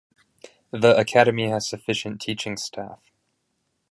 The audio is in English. The academy has sufficient teaching staff.